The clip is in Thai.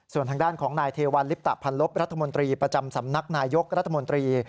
ส่วนทางด้านของนายเทวัลลิปตะพันลบรัฐมนตรีประจำสำนักนายยกรัฐมนตรี